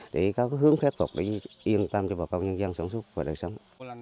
để có hướng khép cục để yên tâm cho bà công nhân dân sống súc và đời sống